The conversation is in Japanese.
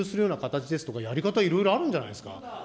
形ですとか、やり方いろいろあるんじゃないですか。